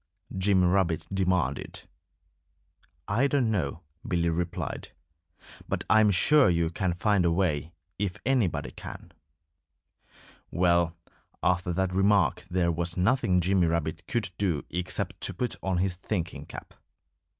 Jimmy Rabbit demanded. "I don't know," Billy replied. "But I am sure you can find a way, if anybody can." Well, after that remark there was nothing Jimmy Rabbit could do except to put on his thinking cap.